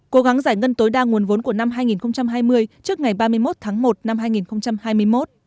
cố gắng giải ngân tối đa nguồn vốn của năm hai nghìn hai mươi trước ngày ba mươi một tháng một năm hai nghìn hai mươi một